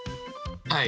はい。